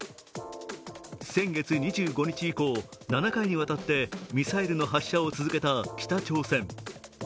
先月２５日以降、７回にわたってミサイルの発射を続けた北朝鮮。